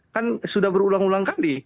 kan sudah berulang ulang kali